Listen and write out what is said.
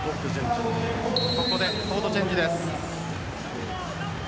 ここでコートチェンジです。